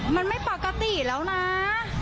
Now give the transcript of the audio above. มันไม่ปกติแล้วนะ